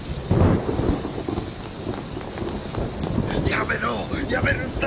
やめろやめるんだ。